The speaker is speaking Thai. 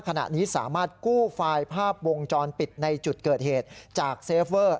ขณะนี้สามารถกู้ไฟล์ภาพวงจรปิดในจุดเกิดเหตุจากเซฟเวอร์